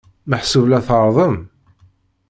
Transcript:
Meḥsub la tɛerrḍem?